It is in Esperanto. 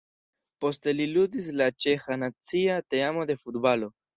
Poste li ludis en la ĉeĥa nacia teamo de futbalo.